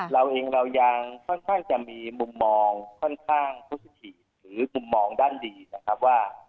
เราเองเรายังค่อนข้างจะมีมุมมองค่อนข้างพุทธิหรือมุมมองด้านดีนะครับว่า